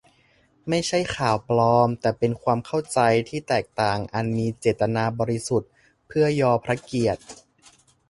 ไม่ใช่ "ข่าวปลอม" แต่เป็น "ความเข้าใจที่แตกต่างอันมีเจตนาบริสุทธิ์เพื่อยอพระเกียรติ"